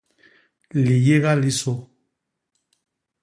Liyéga li sô.